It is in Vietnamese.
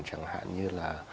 chẳng hạn như là